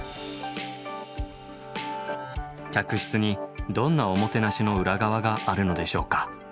客室にどんなおもてなしの裏側があるのでしょうか。